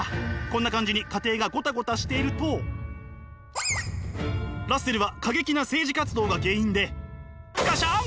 こんな感じに家庭がゴタゴタしてるとラッセルは過激な政治活動が原因でガシャン！